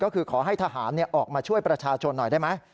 ก็คือขอให้ทหารออกมาช่วยประชาชนหน่อยได้ไหม